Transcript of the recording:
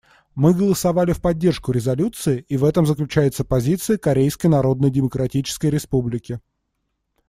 Мы голосовали в поддержку резолюции, и в этом заключается позиция Корейской Народно-Демократической Республики.